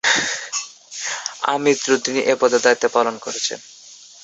আমৃত্যু তিনি এ পদে দায়িত্ব পালন করেছেন।